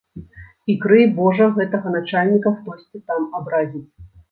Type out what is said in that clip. І крый божа гэтага начальніка хтосьці там абразіць.